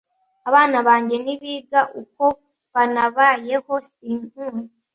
abana banjye ntibiga, uko banabayeho sinkuzi,